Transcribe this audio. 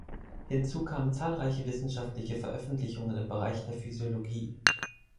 Hinzu kamen zahlreiche wissenschaftliche Veröffentlichungen im Bereich der Physiologie.